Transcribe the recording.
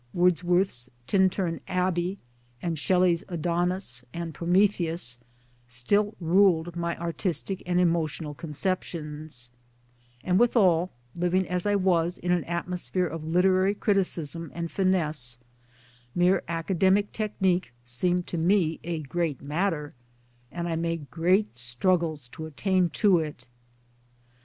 Wordsworth's " Tintern Abbey " and Shelley's " Adonais " and " Prometheus " still ruled my artistic and emotional conceptions ; and withal, living as I was in an atmosphere of literary criticism and finesse, mere academic technique seemed to me a great matter, and I made great struggles to attain to it.